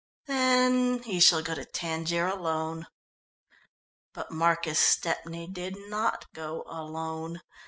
"Then he shall go to Tangier alone." But Marcus Stepney did not go alone.